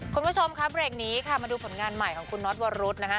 คุณผู้ชมครับเบรกนี้ค่ะมาดูผลงานใหม่ของคุณน็อตวรุษนะฮะ